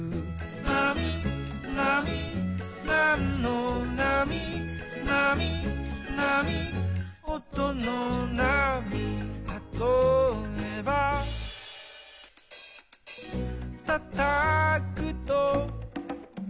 「なみなみなんのなみ」「なみなみおとのなみ」「たとえば」「たたくと」